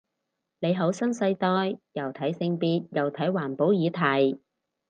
你好新世代，又睇性別又睇環保議題